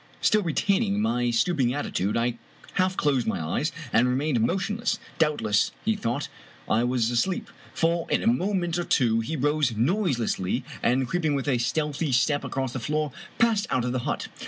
Still retaining my stoop ing attitude, I half closed yny eyes, and remained motion less. Doubtless he thought I was asleep, for in a moment or two he rose noiselessly, and creeping with a stealthy step across the floor, passed out of the hut.